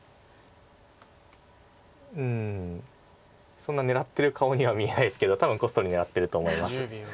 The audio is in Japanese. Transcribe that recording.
うんそんな狙ってる顔には見えないですけど多分こっそり狙ってると思います。